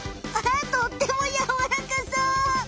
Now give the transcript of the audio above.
あとってもやわらかそう！